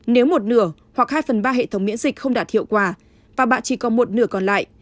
nếu một nửa hoặc hai phần ba hệ thống miễn dịch không đạt hiệu quả và bạn chỉ còn một nửa còn lại